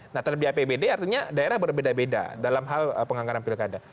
nah terlebih apbd artinya daerah berbeda beda dalam hal penganggaran pilkada